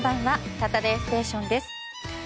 「サタデーステーション」です。